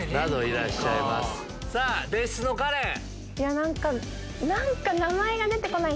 さぁ別室のカレン。